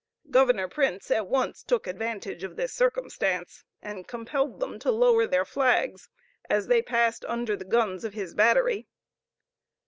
Governor Printz at once took advantage of this circumstance, and compelled them to lower their flags as they passed under the guns of his battery.